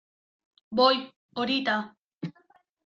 ¡ voy, horita!...